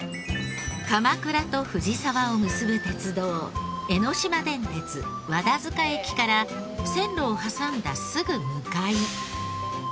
鎌倉と藤沢を結ぶ鉄道江ノ島電鉄和田塚駅から線路を挟んだすぐ向かい。